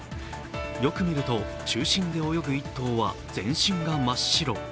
よく見ると、中心で泳ぐ１頭は全身が真っ白。